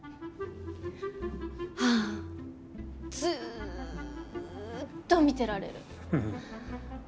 はあずっと見てられる。